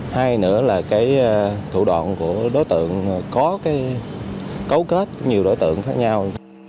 hai nữa là cái thủ đoạn của đối tượng có cái cấu kết nhiều đối tượng khác nhau